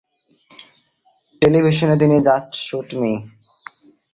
টেলিভিশনে তিনি "just shoot me!"